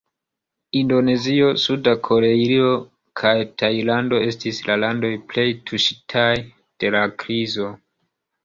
Indonezio, Suda Koreio, kaj Tajlando estis la landoj plej tuŝitaj dela krizo.